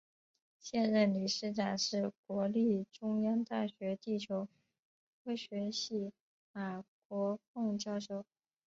现任理事长是国立中央大学地球科学系马国凤教授。